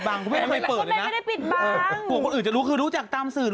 แล้วคุณแม่ก็ว่าคนอื่น